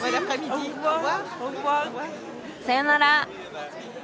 さよなら。